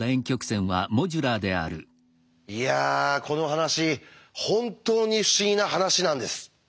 いやこの話本当に不思議な話なんです。